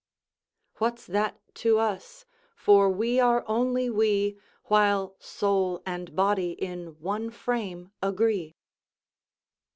"What's that to us? for we are only we, While soul and body in one frame agree."